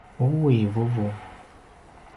uwi vuvu